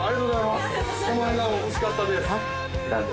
その笑顔欲しかったです。